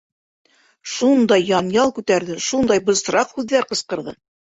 Шундай янъял күтәрҙе, шундай бысраҡ һүҙҙәр ҡысҡырҙы.